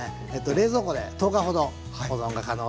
冷蔵庫で１０日ほど保存が可能です。